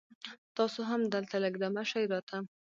تاسو هم دلته لږ دمه شي را ته